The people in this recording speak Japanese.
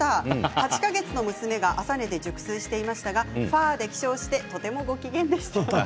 ８か月の娘が朝寝て熟睡していましたがファーで起床をしてとてもごきげんでした。